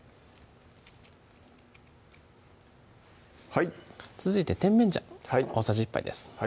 はい続いて甜麺醤大さじ１杯です